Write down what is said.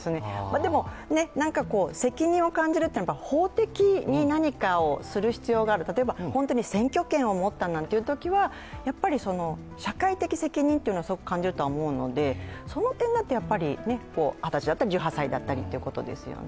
でも、責任を感じる、法的に何かをする必要がある、例えば選挙権を持ったなんていうときは、やっぱり社会的責任をすごく感じるとは思うのでその点、二十歳だったり１８歳だったりということですよね。